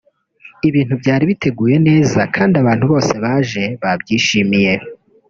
Ibintu byari biteguye neza kandi abantu bose baje babyishimiye